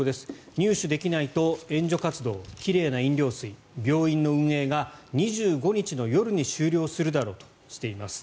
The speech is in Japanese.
入手できないと援助活動奇麗な飲料水病院の運営が２５日の夜に終了するだろうとしています。